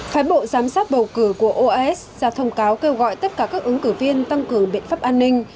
phái bộ giám sát bầu cử của oas ra thông cáo kêu gọi tất cả các ứng cử viên tăng cường biện pháp an ninh